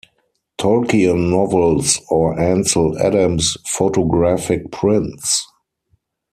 Tolkien novels, or Ansel Adams photographic prints.